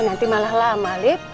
iya nanti malah lama lip